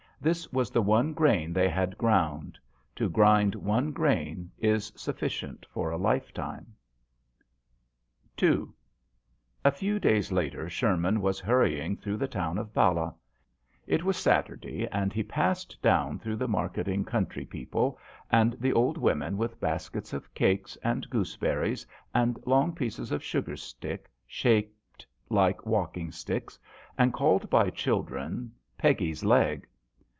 This was the one grain they had ground. To grind one grain is sufficient for a lifetime. II. FEW days later Sher man was hurrying through the town of Ballah. It was Satur day, and he passed down through the mar keting country people, and the old women with baskets of cakes and gooseberries and long pieces of sugarstick shaped like walking sticks, and called by children "Peggie's leg."